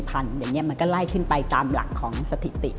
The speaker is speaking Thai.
อย่างนี้มันก็ไล่ขึ้นไปตามหลักของสถิติ